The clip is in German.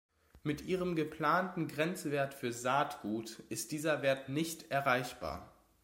Mit Ihrem geplanten Grenzwert für Saatgut ist dieser Wert nicht erreichbar!